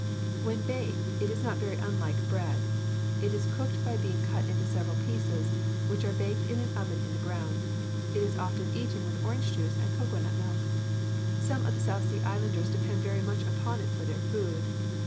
When baked, it is not very unlike bread. It is cooked by being cut into several pieces, which are baked in an oven in the ground. It is often eaten with orange juice and cocoanut milk. Some of the South Sea islanders depend very much upon it for their food.